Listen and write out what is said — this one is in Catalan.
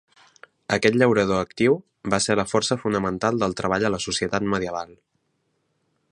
Aquest llaurador actiu va ser la força fonamental del treball a la societat medieval.